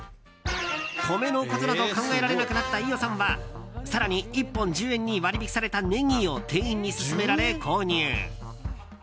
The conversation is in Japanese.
米のことなど考えられなくなった飯尾さんは更に１本１０円に割引されたネギを店員に勧められ、購入。